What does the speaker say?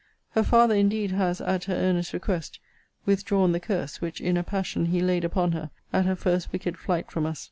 Her father indeed has, at her earnest request, withdrawn the curse, which, in a passion, he laid upon her, at her first wicked flight from us.